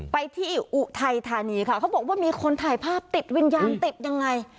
ไปที่อุทัยธานีค่ะเขาบอกว่ามีคนถ่ายภาพติดวิญญาณติดยังไง